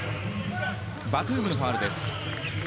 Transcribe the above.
バトゥームのファウルです。